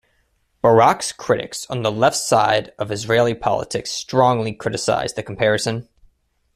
Barak's critics on the left side of Israeli politics strongly criticised the comparison.